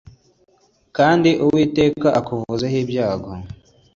kandi Uwiteka akuvuzeho ibyago”